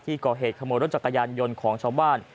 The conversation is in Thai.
ก่อเหตุขโมยรถจักรยานยนต์ของชาวบ้าน